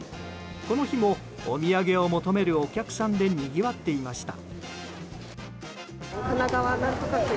この日もお土産を求めるお客さんでにぎわっていました。